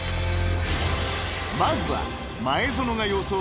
［まずは］